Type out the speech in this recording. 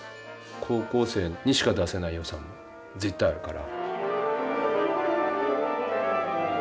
高校生にしか出せない良さ絶対あるから。